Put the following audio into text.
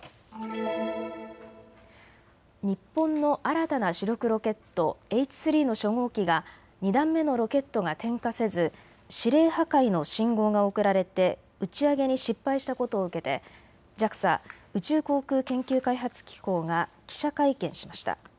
日本の新たな主力ロケットＨ３の初号機が２段目のロケットが点火せず指令破壊の信号が送られて打ち上げに失敗したことを受けてＪＡＸＡ・宇宙航空研究開発機構が記者会見しました。